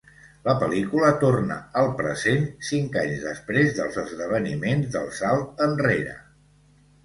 La pel·lícula torna al present cinc anys després dels esdeveniments del salt enrere.